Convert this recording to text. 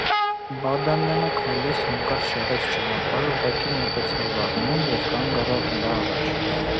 Բադամյանը քայլելիս հանկարծ շեղեց ճանապարհը, ուղղակի մոտեցավ Վահանին և կանգ առավ նրա առաջ: